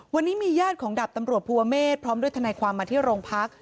วันนี้มีญาติของดาบตำรวจภูเมฆพร้อมด้วยทนายความมาที่โรงพัก